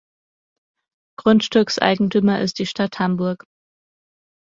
Grundstückseigentümer ist die Stadt Hamburg.